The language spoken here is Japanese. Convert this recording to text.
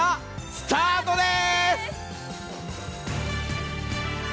スタートです。